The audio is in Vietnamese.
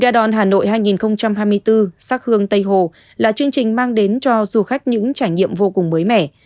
da đun hà nội hai nghìn hai mươi bốn sắc hương tây hồ là chương trình mang đến cho du khách những trải nghiệm vô cùng mới mẻ